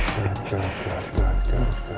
sekarang sekarang sekarang